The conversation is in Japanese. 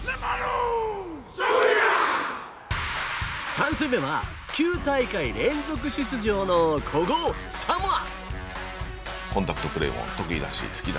３戦目は９大会連続出場の古豪、サモア。